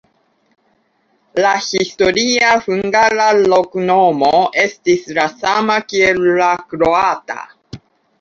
La historia hungara loknomo estis la sama kiel la kroata.